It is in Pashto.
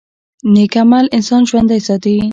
نیک عمل انسان ژوندی ساتي